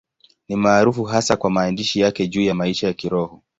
Ni maarufu hasa kwa maandishi yake juu ya maisha ya Kiroho.